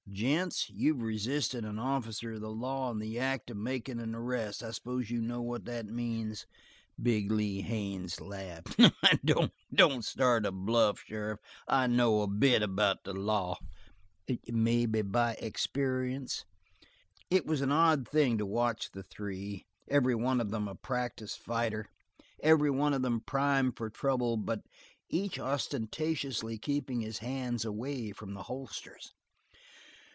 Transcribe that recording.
"Gents, you've resisted an officer of the law in the act of makin' an arrest. I s'pose you know what that means?" Big Lee Haines laughed. "Don't start a bluff, sheriff. I know a bit about the law." "Maybe by experience?" It was an odd thing to watch the three, every one of them a practiced fighter, every one of them primed for trouble, but each ostentatiously keeping his hands away from the holsters.